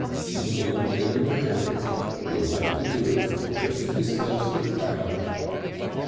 "You won't be able to help it. You'll have to do it just to disperse the crowd."